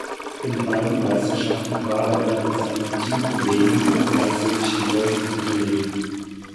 In beiden Meisterschaften war er seinem Teamkollegen Valsecchi deutlich unterlegen.